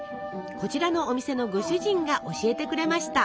こちらのお店のご主人が教えてくれました。